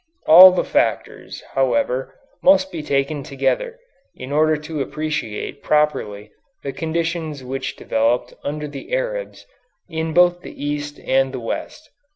All the factors, however, must be taken together in order to appreciate properly the conditions which developed under the Arabs in both the East and the West.